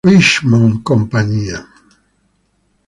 Richmond Co.